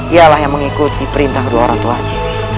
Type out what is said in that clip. ialah yang mengikuti perintah dua ratuani